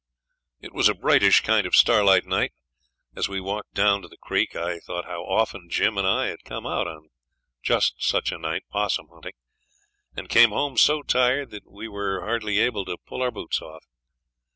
It was a brightish kind of starlight night. As we walked down to the creek I thought how often Jim and I had come out on just such a night 'possum hunting, and came home so tired that we were hardly able to pull our boots off.